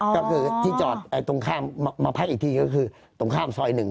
ก็คือที่จอดตรงข้ามมาพักอีกทีก็คือตรงข้ามซอย๑